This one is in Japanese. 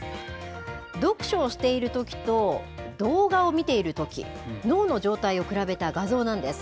読書をしているときと、動画を見ているとき、脳の状態を比べた画像なんです。